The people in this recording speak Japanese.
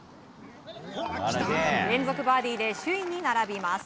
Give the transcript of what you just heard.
連続バーディーで首位に並びます。